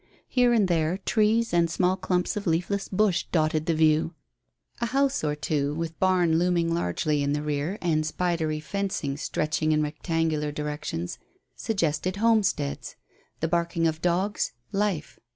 Here and there trees and small clumps of leafless bush dotted the view. A house or two, with barn looming largely in the rear, and spidery fencing, stretching in rectangular directions, suggested homesteads; the barking of dogs life.